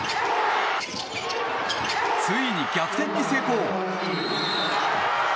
ついに逆転に成功！